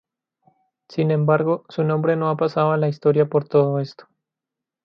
Sin embargo, su nombre no ha pasado a la historia por todo esto.